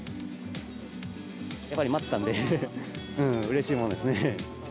やっぱり待ってたんで、うれしいものですね。